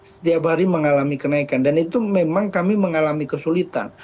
setiap hari mengalami kenaikan dan itu memang kami mengalami kesulitan